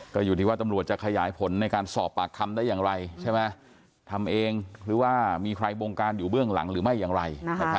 ก็อยู่ที่ว่าตำรวจจะขยายผลในการสอบปากคำได้อย่างไรใช่ไหมทำเองหรือว่ามีใครบงการอยู่เบื้องหลังหรือไม่อย่างไร